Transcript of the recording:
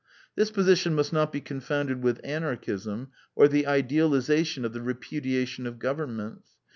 This position must not be confounded with Anarchism, or the idealization of the repudiation of Governments.